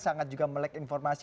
sangat juga melek informasi